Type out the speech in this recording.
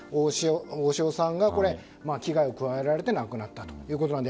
大塩さんが危害を加えられて亡くなったということなので